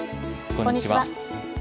こんにちは。